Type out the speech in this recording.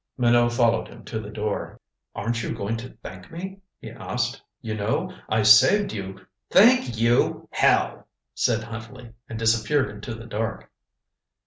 Minot followed him to the door. "Aren't you going to thank me?" he asked. "You know, I saved you " "Thank you! Hell!" said Huntley, and disappeared into the dark.